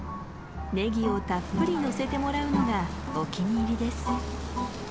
ネギをたっぷりのせてもらうのがお気に入りです。